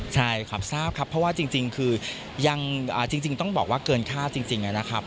ใช่ครับทราบครับเพราะว่าจริงคือยังจริงต้องบอกว่าเกินค่าจริงนะครับ